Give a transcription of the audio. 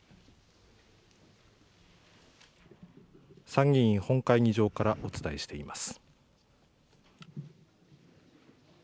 参議院本会議場からお伝えしています。